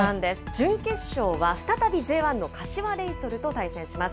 準決勝は再びＪ１の柏レイソルと対戦します。